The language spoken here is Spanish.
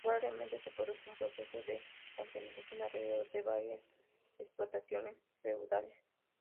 Probablemente se produjo un proceso de concentración alrededor de varias explotaciones feudales.